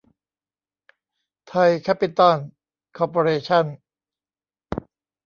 ไทย แคปปิตอล คอร์ปอเรชั่น